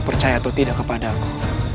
mau percaya atau tidak kepada aku